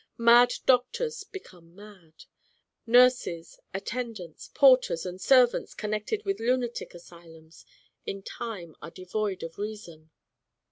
Mad doctors become mad. Nurses, attendants, porters, and servants connected with lunatic asylums in time are devoid of reason.